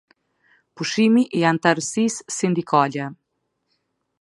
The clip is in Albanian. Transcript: Pushimi i anëtarësisë sindikale.